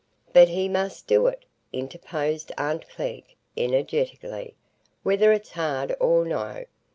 "But he must do it," interposed aunt Glegg, energetically, "whether it's hard or no.